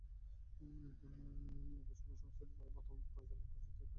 একই সঙ্গে সংস্থাটির বর্তমান পরিচালনা পর্ষদের কাজেও অসন্তোষ প্রকাশ করেন একাধিক শেয়ারধারী।